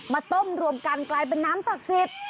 ต้มรวมกันกลายเป็นน้ำศักดิ์สิทธิ์